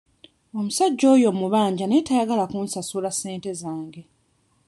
Omusajja oyo mmubanja naye tayagala kunsasula ssente zange.